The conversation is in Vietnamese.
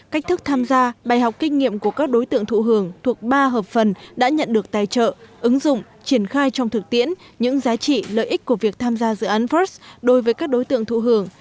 cách thức tham gia bài học kinh nghiệm của các đối tượng thụ hưởng thuộc ba hợp phần đã nhận được tài trợ ứng dụng triển khai trong thực tiễn những giá trị lợi ích của việc tham gia dự án first đối với các đối tượng thụ hưởng